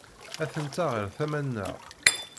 Atent-a ɣer tama-nneɣ.